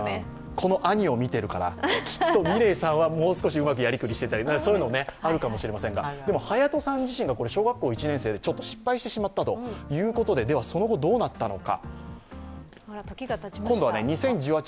この兄を見ているから、きっとみれいさんはもう少しうまくやりとりしていたり、そういうのはあるかもしれませんがでもはやとさん自身が小学生１年生で失敗してしまったということでその後どうなったのか。